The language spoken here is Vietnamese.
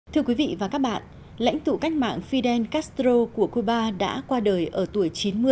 thưa quý vị và các bạn lãnh tụ cách mạng fidel castro của cuba đã qua đời ở tuổi chín mươi